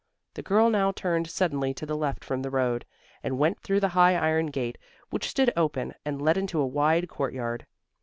The girl now turned suddenly to the left from the road, and went through the high iron gate which stood open, and led into a wide courtyard.